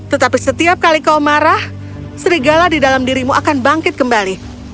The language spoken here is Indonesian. tetapi setiap kali kau marah serigala di dalam dirimu akan bangkit kembali